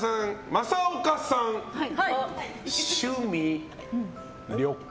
正岡さん、趣味、旅行。